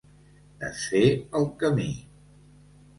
Desfer el camí.